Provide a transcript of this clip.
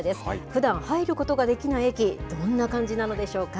ふだん入ることができない駅、どんな感じなのでしょうか。